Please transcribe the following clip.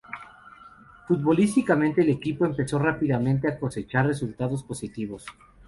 Futbolísticamente el equipo empezó rápidamente a cosechar resultados positivos.